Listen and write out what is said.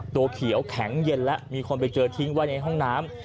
ตัวเขียวแข็งเย็นแล้วมีคนไปเจอทิ้งไว้ในห้องน้ำ